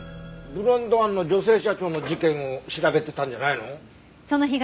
ブランド庵の女性社長の事件を調べてたんじゃないの？